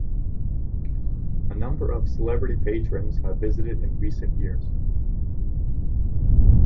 A number of celebrity patrons have visited in recent years.